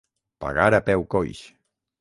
Pagar a peu coix.